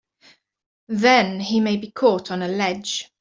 Then he may be caught on a ledge!